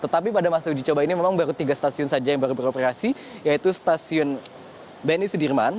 tetapi pada masa uji coba ini memang baru tiga stasiun saja yang baru beroperasi yaitu stasiun bni sudirman